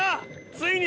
ついに。